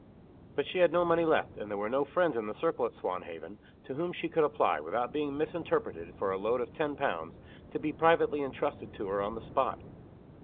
But she had no money left; and there were no friends, in the circle at Swanhaven, to whom she could apply, without being misinterpreted, for a loan of ten pounds, to be privately intrusted to her on the spot.